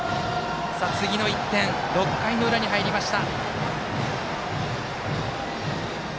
次の１点、６回の裏に入りました。